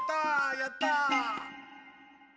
やった！